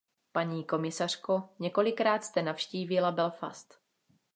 Paní komisařko, několikrát jste navštívila Belfast.